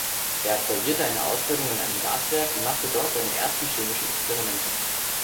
Er absolvierte eine Ausbildung in einem Gaswerk und machte dort seine ersten chemischen Experimente.